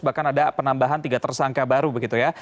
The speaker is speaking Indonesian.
bahkan ada penambahan tiga tersangka baru begitu ya